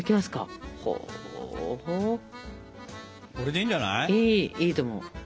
いいいいと思う。